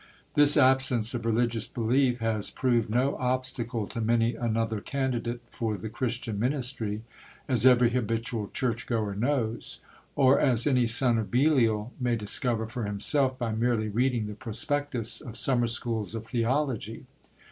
This absence of religious belief has proved no obstacle to many another candidate for the Christian ministry, as every habitual church goer knows; or as any son of Belial may discover for himself by merely reading the prospectus of summer schools of theology.